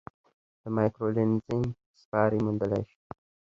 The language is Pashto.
د مایکرو لینزینګ سیارې موندلای شي.